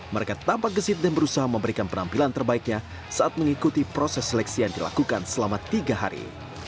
mereka tampak gesit dan berusaha memberikan penampilan terbaiknya saat mengikuti proses seleksi yang dilakukan selama tiga hari